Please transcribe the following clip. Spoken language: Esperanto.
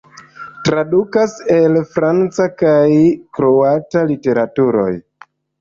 Tradukas el la franca kaj kroata literaturoj.